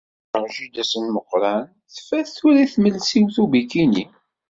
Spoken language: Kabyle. Cukkeɣ jida-s n Meqqran tfat tura i tmelsiwt ubikini.